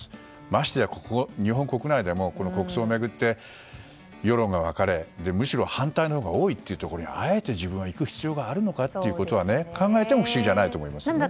ましてや日本国内でも国葬を巡って世論が分かれむしろ反対のほうが多いというところにあえて自分が行く必要があるのかと考えても不思議じゃないですね。